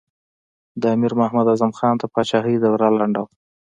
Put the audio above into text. د امیر محمد اعظم خان د پاچهۍ دوره لنډه وه.